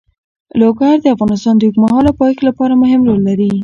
لوگر د افغانستان د اوږدمهاله پایښت لپاره مهم رول لري.